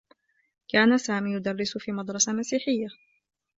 كان سامي يدرّس في مدرسة مسيحيّة.